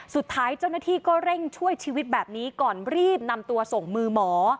สุดท้ายเจ้าหน้าที่ก็เร่งช่วยชีวิตแบบนี้ก่อนรีบนำตัวส่งมือหมอ